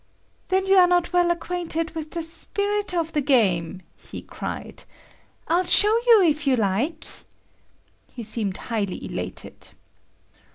"Then you are not well acquainted with the spirit of the game," he cried. "I'll show you if you like." He seemed highly elated.